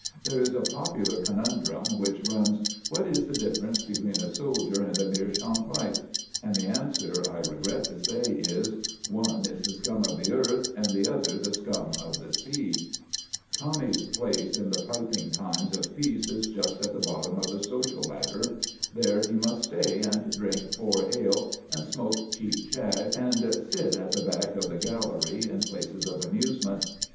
There is a popular conundrum which runs, "What is the difference between a soldier and a meerschaum pipe?" and the answer, I regret to say, is, "One is the scum of the earth, and the other the scum of the sea." Tommy's place in the piping times of peace is just at the bottom of the social ladder; there he must stay, and drink four ale, and smoke cheap shag, and sit at the back of the gallery in places of amusement.